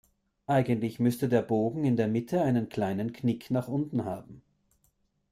Eigentlich müsste der Bogen in der Mitte einen kleinen Knick nach unten haben.